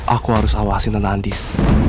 aku harus awasin tentang andis